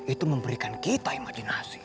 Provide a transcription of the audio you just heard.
itu memberikan kita imajinasi